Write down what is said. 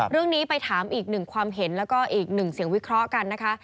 เรื่องนี้ไปถามอีกหนึ่งความเห็นแล้วก็อีกหนึ่งเสียงวิเคราะห์กันนะคะ